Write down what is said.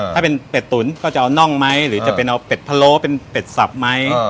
ถ้าเป็นเป็ดตุ๋นก็จะเอาน่องไหมหรือจะเป็นเอาเป็ดพะโล้เป็นเป็ดสับไหม